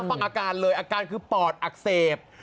ฟังอาการเลยอาการคือปอดอักเสบ